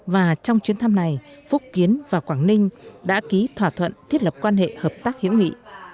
và trong chuyến thăm này phúc kiến và quảng ninh đã ký thỏa thuận thiết lập quan hệ hợp tác hữu nghị